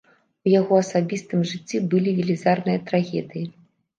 У яго асабістым жыцці былі велізарныя трагедыі.